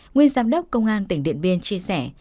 nguyên giám đốc công an tỉnh điện biên chia sẻ